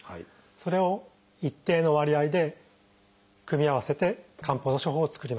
それを一定の割合で組み合わせて漢方の処方を作ります。